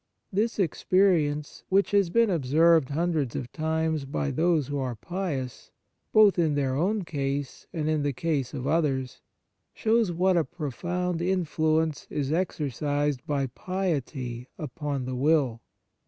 This experience, which has been observed hundreds of times by those who are pious, both in their own case and in the case of others, shows what a profound influence is exercised by piety upon the will.